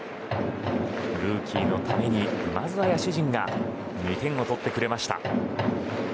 ルーキーのためにまずは野手陣が２点を取ってくれました。